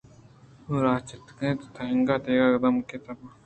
راہ تچک ات تنیگا دگہ دمک ءَ تابے نیاتکگ اَت